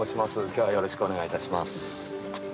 今日はよろしくお願いいたします。